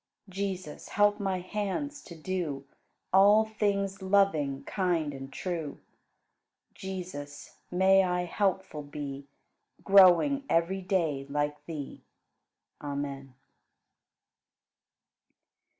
Jesus, help my hands to do All things loving, kind, and true. Jesus, may I helpful be, Growing every day like Thee. Amen.